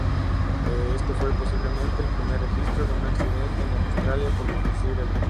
Este fue, posiblemente, el primer registró de un accidente en Australia por conducir ebrio.